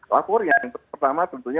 lapor yang pertama tentunya